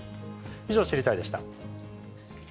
以上、知りたいッ！でした。